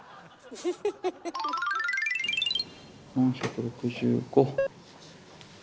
４６５。